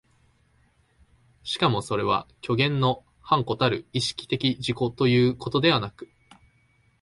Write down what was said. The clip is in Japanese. しかもそれは虚幻の伴子たる意識的自己ということではなく、